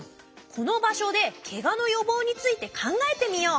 この場所でケガの予防について考えてみよう。